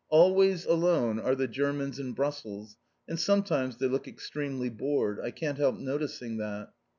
Always alone are the Germans in Brussels, and sometimes they look extremely bored. I can't help noticing that.